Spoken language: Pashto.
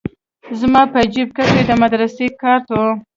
زما په جيب کښې د مدرسې کارت و.